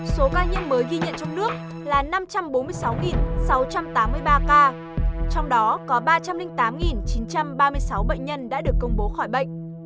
số ca nhiễm mới ghi nhận trong nước là năm trăm bốn mươi sáu sáu trăm tám mươi ba ca trong đó có ba trăm linh tám chín trăm ba mươi sáu bệnh nhân đã được công bố khỏi bệnh